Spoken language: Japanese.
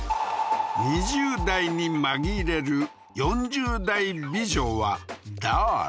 ２０代に紛れる４０代美女はだあれ？